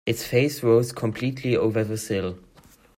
His face rose completely over the sill.